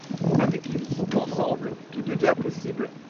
Avec lui, ensemble, tout devient possible.